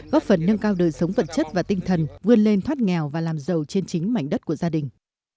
góp phần nâng cao đời sống vật chất và tinh thần vươn lên thoát nghèo và làm giàu trên chính mảnh đất của gia đình